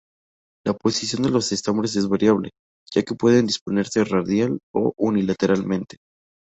La posición de los estambres es variable, ya que pueden disponerse radial o unilateralmente.